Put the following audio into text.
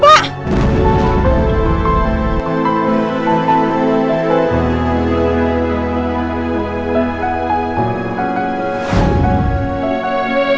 penyuh ke hovering